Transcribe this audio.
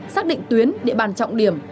xác định tuyến địa bàn trọng điểm